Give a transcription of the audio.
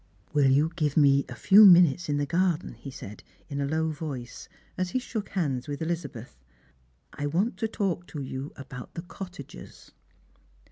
" Will you give me a few minutes in the garden ?" he said, iu a low voice, as he shook hands wj^h Elizabeth. " I want to talk to you about your cottagers."